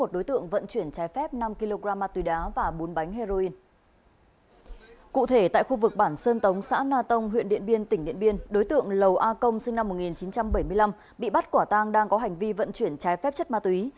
đối tượng lầu a công sinh năm một nghìn chín trăm bảy mươi năm bị bắt quả tang đang có hành vi vận chuyển trái phép chất ma túy